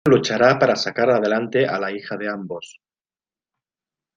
La mujer luchará para sacar adelante a la hija de ambos.